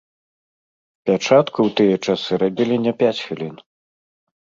Пячатку ў тыя часы рабілі не пяць хвілін.